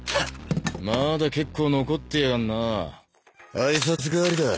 まだ結構残ってやがんなァ挨拶がわりだ